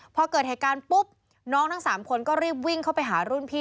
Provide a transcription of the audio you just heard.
พอเกิดเหตุการณ์ปุ๊บน้องทั้ง๓คนก็รีบวิ่งเข้าไปหารุ่นพี่